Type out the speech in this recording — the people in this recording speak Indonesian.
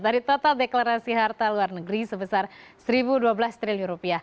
dari total deklarasi harta luar negeri sebesar rp satu dua belas triliun